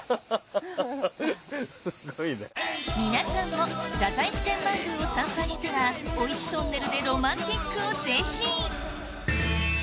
皆さんも太宰府天満宮を参拝したらお石トンネルでロマンティックをぜひ！